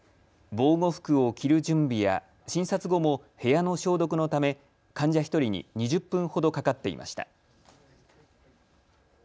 防護服を着る準備や診察後も部屋の消毒のため患者１人に２０分ほどかかっていました。